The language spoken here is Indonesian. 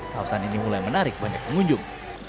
kawasan ini mulai menarik banyak pengunjung